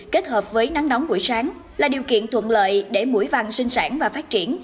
kết hợp với nắng nóng buổi sáng là điều kiện thuận lợi để mũi vằn sinh sản và phát triển